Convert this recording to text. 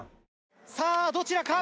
さあどちらか？